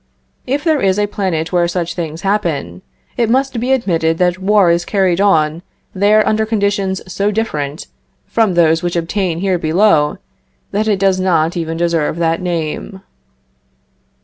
If there is a planet where such things happen, it must be admitted that war is carried on there under conditions so different from those which obtain here below, that it does not even deserve that name.